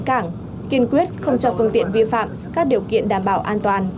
các bến cảng kiên quyết không cho phương tiện vi phạm các điều kiện đảm bảo an toàn